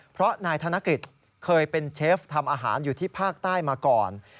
เพราะนายธนกฤษเคยเป็นเชฟทำอาหารอยู่ที่ภาคใต้มาก่อน